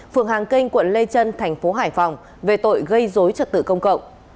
phường hàng kênh quận lê trân thành phố hải phòng về tội gây dối trật tự công cộng